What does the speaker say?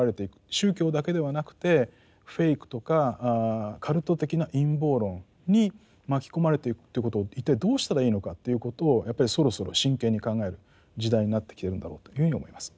宗教だけではなくてフェイクとかカルト的な陰謀論に巻き込まれていくということを一体どうしたらいいのかということをやっぱりそろそろ真剣に考える時代になってきてるんだろうというふうに思います。